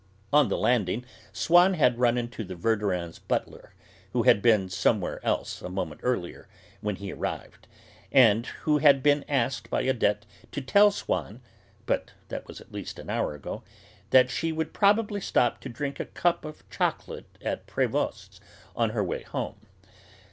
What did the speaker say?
On the landing Swann had run into the Verdurins' butler, who had been somewhere else a moment earlier, when he arrived, and who had been asked by Odette to tell Swann (but that was at least an hour ago) that she would probably stop to drink a cup of chocolate at Prévost's on her way home.